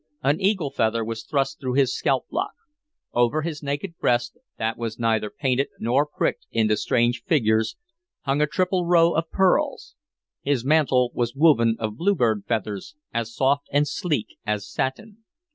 An eagle feather was thrust through his scalp lock; over his naked breast, that was neither painted nor pricked into strange figures, hung a triple row of pearls; his mantle was woven of bluebird feathers, as soft and sleek as satin.